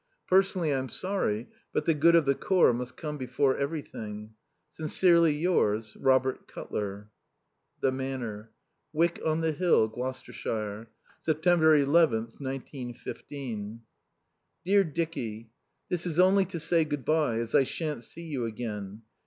Personally I'm sorry, but the good of the Corps must come before everything. Sincerely yours, Robert Cutler. The Manor, Wyck on the Hill, Gloucestershire. September 11th, 1915. Dear Dicky, This is only to say good bye, as I shan't see you again.